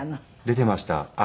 出ていました。